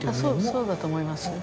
そうだと思います。